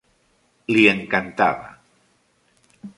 Li encantava!